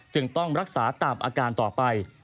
ต้องรักษาตามอาการต่อไป